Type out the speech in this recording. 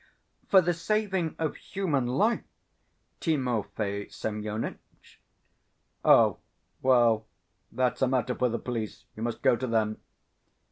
"For the saving of human life, Timofey Semyonitch." "Oh, well, that's a matter for the police. You must go to them."